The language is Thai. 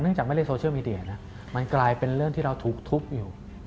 เนื่องจากไม่ได้โซเชียลมีเดียนะมันกลายเป็นเรื่องที่เราทุบอยู่